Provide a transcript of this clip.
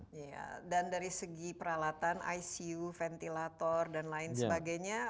iya dan dari segi peralatan icu ventilator dan lain sebagainya